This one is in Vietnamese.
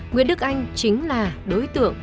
nguyễn đức anh chính là đối tượng